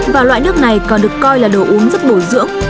và loại nước này còn được coi là đồ uống rất bổ dưỡng